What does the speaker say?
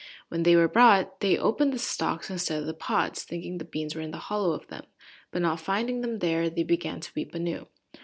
When they were brought they opened the stalks instead of the pods, thinking the beans were in the hollow of them. But not finding them there, they began to weep anew.